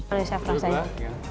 boleh chef rasanya